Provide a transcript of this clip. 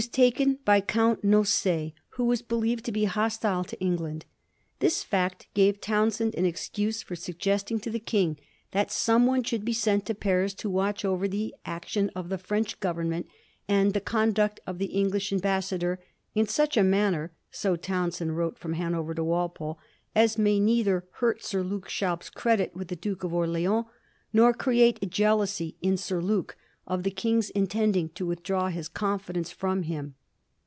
ch. xiv, taken by Count Noc^, who was believed to be hostile to England. This fact gave Townshend an excuse for suggesting to the King that someone should be sent to Paris to watch over the action of the French Government and the conduct of the English ambas sador, * in such a manner,' so Townshend wrote from Hanover to Walpole, * as may neither hurt Sir Luke Schaub's credit with the Duke of Orleans, nor create a jealousy in Sir Luke of the King's intending to withdraw his confidence from him.'